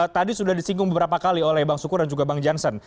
tadi sudah disinggung beberapa kali oleh bang sukur dan juga bang jansen